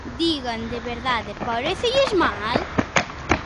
Digan, de verdade, ¿parécelles mal?